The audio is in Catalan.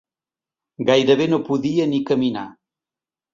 Gairebé no podia ni caminar.